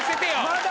まだ。